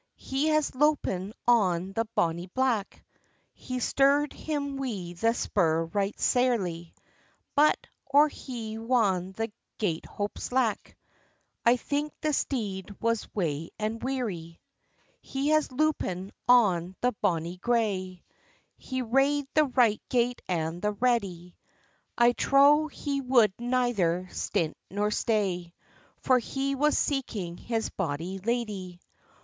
— He has loupen on the bonny black, He stirr'd him wi' the spur right sairly; But, or he wan the Gatehope Slack, I think the steed was wae and weary. He has loupen on the bonny gray, He rade the right gate and the ready; I trow he would neither stint nor stay, For he was seeking his bonny ladye.